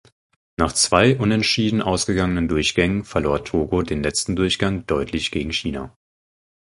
Nach zwei unentschieden ausgegangenen Durchgängen verlor Togo den letzten Durchgang deutlich gegen China.